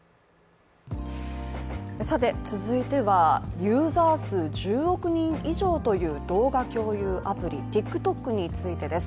続いては、ユーザー数１０億人以上という動画共有アプリ、ＴｉｋＴｏｋについてです。